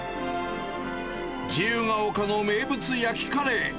自由が丘の名物焼きカレー。